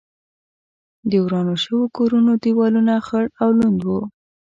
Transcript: د ورانو شوو کورونو دېوالونه خړ او لوند و.